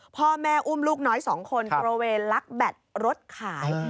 พ่อแม่อุ้มลูกน้อย๒คนตระเวนลักแบตรถขาย